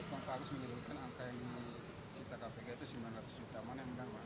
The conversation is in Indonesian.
bukan harus menyebutkan angka yang diinginkan